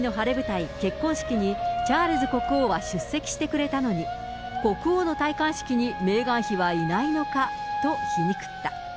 メーガン妃の晴れ舞台、結婚式にチャールズ国王は出席してくれたのに、国王の戴冠式にメーガン妃はいないのかと皮肉った。